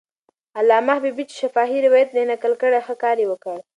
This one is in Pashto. علامه حبیبي چې شفاهي روایت یې نقل کړ، ښه کار یې وکړ.